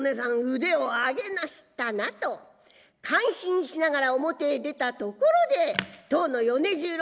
腕を上げなすったな」と感心しながら表へ出たところで当の米十郎と出くわしました。